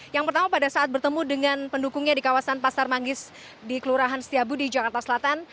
yang pertama pada saat bertemu dengan pendukungnya di kawasan pasar manggis di kelurahan setiabudi jakarta selatan